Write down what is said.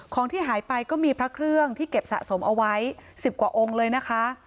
ที่หายไปก็มีพระเครื่องที่เก็บสะสมเอาไว้๑๐กว่าองค์เลยนะคะ